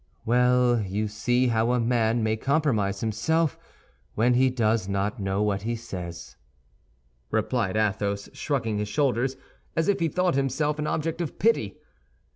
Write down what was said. "Well, you see how a man may compromise himself when he does not know what he says," replied Athos, shrugging his shoulders as if he thought himself an object of pity.